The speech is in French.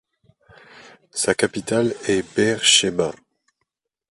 Sa capitale est Beersheba.